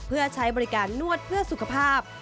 เพื่อใช้บริการนวดเพื่อสุขภาพ